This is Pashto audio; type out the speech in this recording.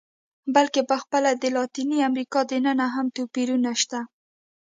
بلکې په خپله د لاتینې امریکا دننه هم توپیرونه شته.